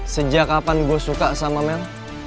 sejak kapan gue suka sama mel